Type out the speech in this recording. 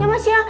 ya mas ya